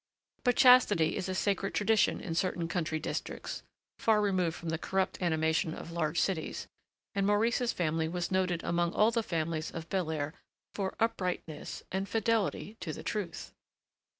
But chastity is a sacred tradition in certain country districts, far removed from the corrupt animation of large cities, and Maurice's family was noted among all the families of Belair for uprightness, and fidelity to the truth.